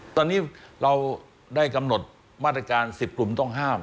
ตอนนี้เราได้กำหนดมาตรการ๑๐กลุ่มต้องห้าม